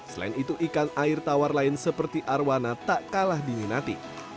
selain itu ikan air tawar lain seperti arwana tak kalah diminati